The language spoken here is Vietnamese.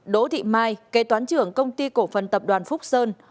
đỗ thị mai kế toán trưởng công ty cổ phần tập đoàn phúc sơn